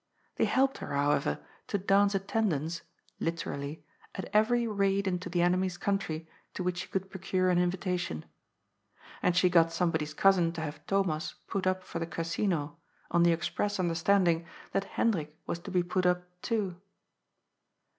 They helped her, how ever, to dance attendance (literally) at every raid into the enemy's country to which she could procure an invitation. And she got somebody's cousin to have Thomas put up for the Casino, on the express understanding that Hendrik was to be put up too.